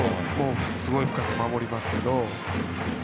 すごい深く守りますけど。